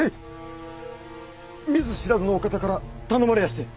見ず知らずのお方から頼まれやして。